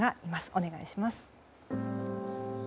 お願いします。